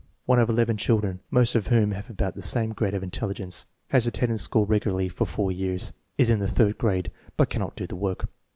One of eleven children, most of whom have about this same grade of intelligence. Has attended school regu larly for four years. Is in the third grade, but cannot do the work.